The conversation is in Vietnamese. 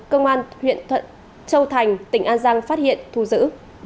công an huyện thuận châu thành tỉnh an giang phát hiện thu giữ